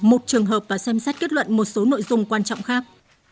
một trường hợp và xem xét kết luận một số nội dung quan trọng khác